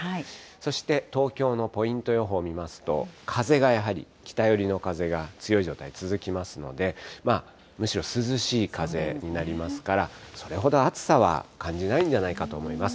そして、東京のポイント予報見ますと、風がやはり、北寄りの風が強い状態続きますので、むしろ、涼しい風になりますから、それほど暑さは感じないんじゃないかなと思います。